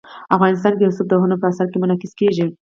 افغانستان کې رسوب د هنر په اثار کې منعکس کېږي.